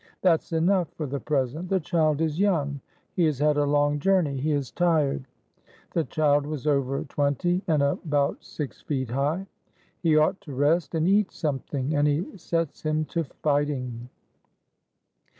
That's enough for the present; the child is young, he has had a long journey, he is tired." (The child was over twenty, and about six feet high.) "He ought to rest, and eat something; and he sets him to fighting!"